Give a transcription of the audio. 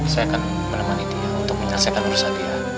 saya akan menemani dia untuk menyaksikan perusahaan dia